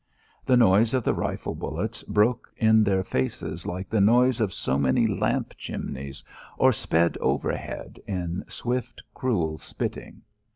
The noise of the rifle bullets broke in their faces like the noise of so many lamp chimneys or sped overhead in swift cruel spitting.